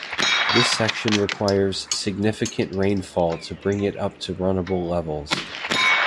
This section requires significant rainfall to bring it up to runnable levels.